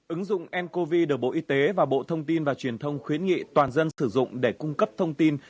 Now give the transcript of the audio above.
ứng dụng ncov được bộ y tế và bộ thông tin và truyền thông khuyến nghị toàn dân sử dụng để cung cấp thông tin